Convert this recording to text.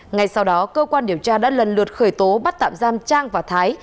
ngay sau đó cơ quan điều tra đã lần lượt khởi tố bắt tạm giam trang và thái